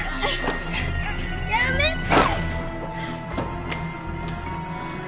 やめて！！